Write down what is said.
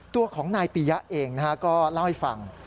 ตัวของนายปียะเองก็เล่าให้ฟัง